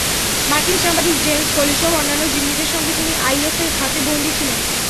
মার্কিন সাংবাদিক জেমস ফলিসহ অন্যান্য জিম্মিদের সঙ্গে তিনি আইএসের হাতে বন্দী ছিলেন।